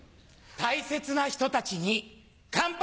大切な人たちに乾杯！